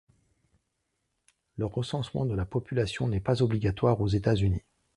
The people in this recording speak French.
Le recensement de la population n'est pas obligatoire aux États-Unis.